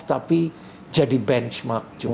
tapi jadi benchmark